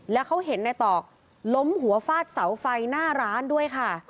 แล้วเขาเห็นในตอกล้มหัวฟาดเสาไฟหน้าร้านด้วยค่ะ